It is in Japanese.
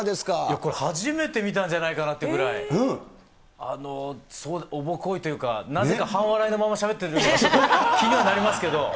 これ、初めて見たんじゃないかなっていうくらい、おぼこいというか、なぜか半笑いのまましゃべってるのは気にはなりますけど。